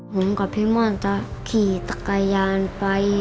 ผมกับพี่ม่อนจะขี่จักรยานไป